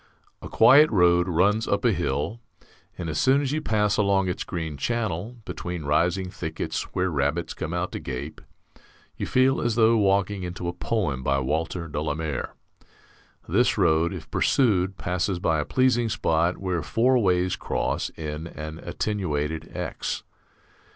A quiet road runs up a hill, and as soon as you pass along its green channel, between rising thickets where rabbits come out to gape, you feel as though walking into a poem by Walter de la Mare. This road, if pursued, passes by a pleasing spot where four ways cross in an attenuated X.